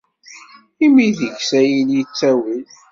Imi deg-s ad yili ttawil.